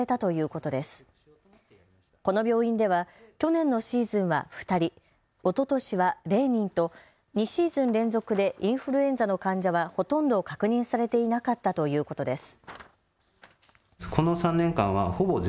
この病院では去年のシーズンは２人、おととしは０人と２シーズン連続でインフルエンザの患者はほとんど確認されていなかったということです。